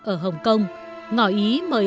ở hồng kông ngỏ ý mời